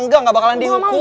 gak bakalan dihukum